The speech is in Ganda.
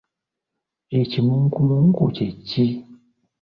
Ekimunkumunku kye ki?